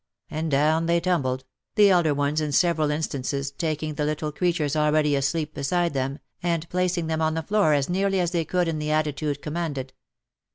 and down they tumbled, the elder ones in several in stances taking the little creatures already asleep beside them, and placing them on the floor as nearly as they could in the attitude com manded.